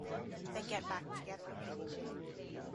They get back together.